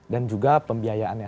dan juga pembiayaannya